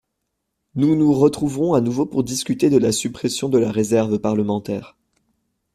Nous nous retrouvons à nouveau pour discuter de la suppression de la réserve parlementaire.